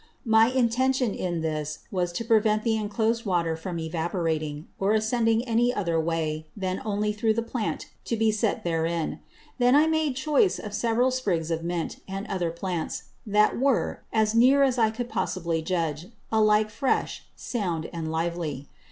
My Intention in this, was to prevent the inclosed Water from evaporating, or ascending any other way than only through the Plant to be set therein. Then I made choice of several Sprigs of Mint, and other Plants, that were, as near as I could possibly judge, alike fresh, sound, and lively.